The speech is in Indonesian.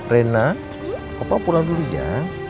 rena papa pulang dulu ya